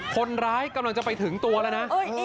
คนร้ายกำลังจะไปถึงตัวแล้วนะ